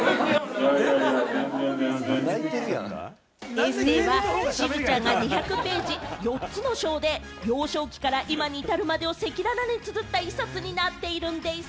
エッセーはしずちゃんが２００ページ、４つの章で幼少期から今に至るまでを赤裸々に綴った一冊になっているんでぃす。